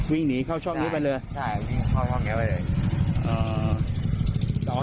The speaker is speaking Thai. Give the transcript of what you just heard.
วิ่งหนีเข้าช่องนี้ไปเลยใช่วิ่งเข้าช่องนี้ไปเลย